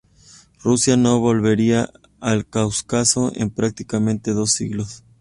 Rusia no volvería al Cáucaso en prácticamente dos siglos.